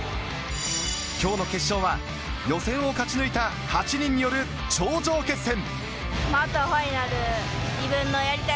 今日の決勝は予選を勝ち抜いた８人による頂上決戦。